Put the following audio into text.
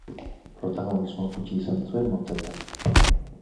Protagonismo gutxi izan zuen motzetan.